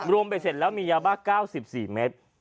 ไปเสร็จแล้วมียาบ้า๙๔เมตร